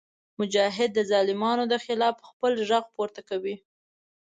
مجاهد د ظالمانو خلاف خپل غږ پورته کوي.